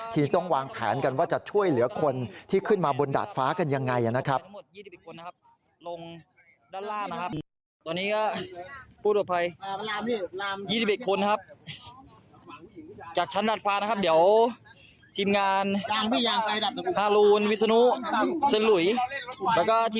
ที่ต้องวางแผนกันว่าจะช่วยเหลือคนที่ขึ้นมาบนดาดฟ้ากันยังไงนะครับ